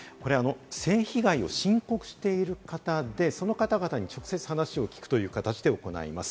性被害を申告している方で、その方々に直接話を聞くという形で行います。